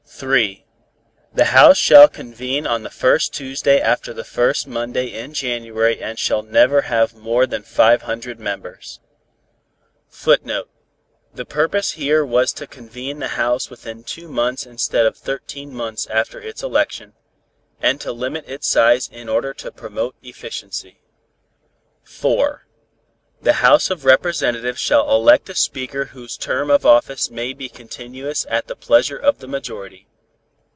] 3. The House shall convene on the first Tuesday after the first Monday in January and shall never have more than five hundred members. [Footnote: The purpose here was to convene the House within two months instead of thirteen months after its election, and to limit its size in order to promote efficiency.] 4. The House of Representatives shall elect a Speaker whose term of office may be continuous at the pleasure of the majority.